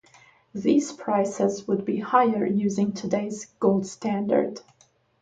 These prices would be higher using today's gold standard.